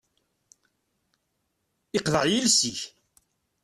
Iqḍeε yiles-ik.